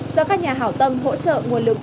do các nhà hảo tâm hỗ trợ nguồn lực